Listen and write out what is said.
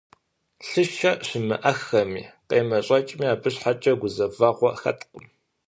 Лъышэ щымыӀэххэми къемэщӀэкӀми, абы щхьэкӀэ гузэвэгъуэ хэткъым.